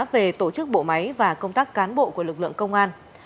về tổ chức bộ máy và công tác cán bộ của lực lượng công an